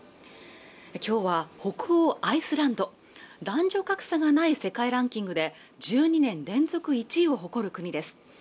今日は北欧アイスランド男女格差がない世界ランキングで１２年連続１位を誇る国です